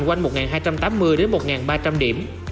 quanh một nghìn hai trăm tám mươi đến một nghìn ba trăm linh điểm